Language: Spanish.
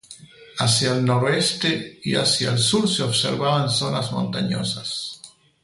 Hacia el noreste y hacia el sur se observaban zonas montañosas.